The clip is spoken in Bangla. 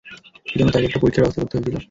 এজন্য তাঁকে একটা পরীক্ষার ব্যবস্থা করতে হয়েছিল।